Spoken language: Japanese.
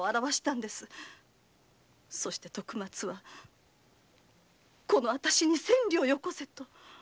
そして徳松はこのあたしに千両よこせと。